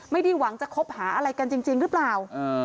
ไม่ได้หวังจะคบหาอะไรกันจริงหรือเปล่า